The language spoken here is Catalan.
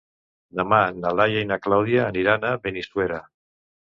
Demà na Laia i na Clàudia aniran a Benissuera.